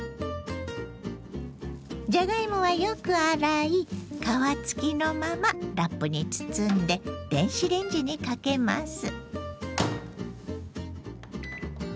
じゃがいもはよく洗い皮付きのままラップに包んで電子レンジにかけます。